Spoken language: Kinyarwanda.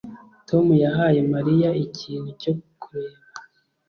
Tom yahaye Mariya ikintu cyo kureba